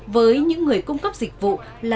với những người cung cấp dịch vụ